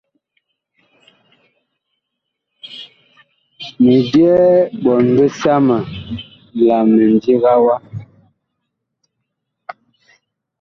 Mi byɛɛ ɓɔɔn bisama la mindiga wa.